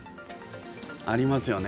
ありますよね。